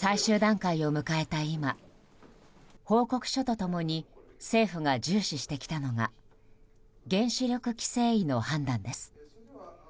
最終段階を迎えた今報告書と共に政府が重視してきたのが原子力規制委の判断です。